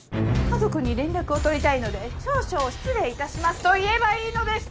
家族に連絡を取りたいので少々失礼いたしますと言えばいいのです！